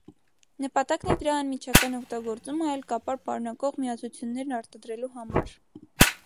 Նպատակն էր դրա անմիջական օգտագործումը այլ կապար պարունակող միացություններ արտադրելու համար։